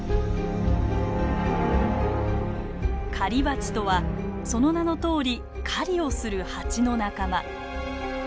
狩りバチとはその名のとおり狩りをするハチの仲間。